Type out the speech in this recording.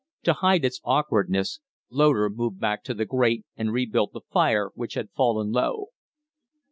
To hide its awkwardness, Loder moved back to the grate and rebuilt the fire, which had fallen low.